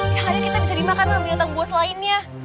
ya hari kita bisa dimakan sama binatang buas lainnya